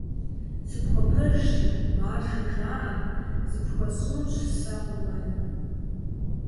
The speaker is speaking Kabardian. Сыпхуэпэжщи, «маржэ» жаӀэм, зыпхуэсщӀынущ сэ къурмэн.